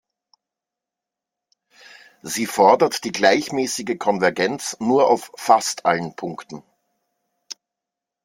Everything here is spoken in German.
Sie fordert die gleichmäßige Konvergenz nur auf fast allen Punkten.